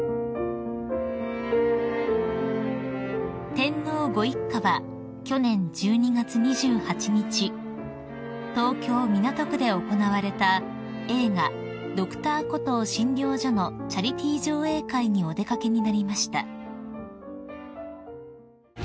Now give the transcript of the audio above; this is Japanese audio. ［天皇ご一家は去年１２月２８日東京港区で行われた映画『Ｄｒ．コトー診療所』のチャリティー上映会にお出掛けになりました］